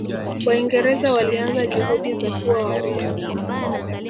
Waingereza walianza juhudi za kuwa wakoloni